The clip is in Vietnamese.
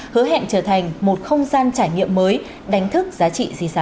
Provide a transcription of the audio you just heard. hứa hẹn trở thành một không gian trải nghiệm mới đánh thức giá trị di sản